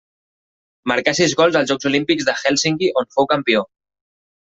Marcà sis gols als Jocs Olímpics de Hèlsinki on fou campió.